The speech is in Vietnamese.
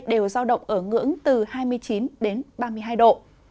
đều giao động ở ngưỡng từ hai mươi chín đến ba mươi hai độ